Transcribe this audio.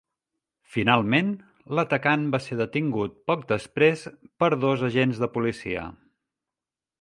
Finalment, l'atacant va ser detingut poc després per dos agents de policia.